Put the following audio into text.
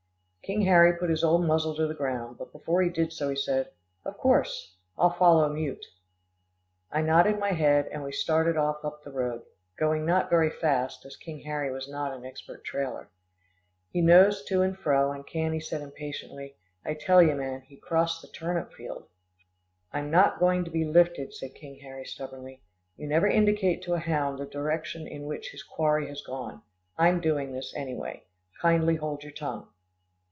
King Harry put his old muzzle to the ground, but before he did so, he said, "Of course, I'll follow mute." I nodded my head, and we started off up the road, going not very fast, as King Harry was not an expert trailer. He nosed to and fro, and Cannie said impatiently, "I tell ye, man, he crossed the turnip field." "I'm not going to be 'lifted,'" said King Harry stubbornly. "You never indicate to a hound the direction in which his quarry has gone. I'm doing this, anyway. Kindly hold your tongue."